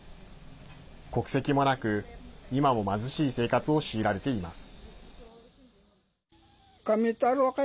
国籍もなく、今も貧しい生活を強いられています。